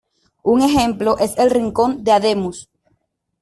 Un ejemplo es el Rincón de Ademuz.